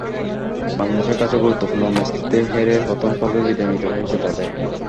বাংলাদেশের কাছে গুরুত্বপূর্ণ ম্যাচটিতে হেরে প্রথম পর্বেই বিদায় নিতে হয়েছে তাদের।